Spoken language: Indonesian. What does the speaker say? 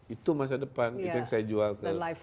itu masa depan itu yang saya jual ke